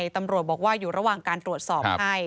ตำรวจบอกว่าอยู่ระหว่างการตรวจสอบให้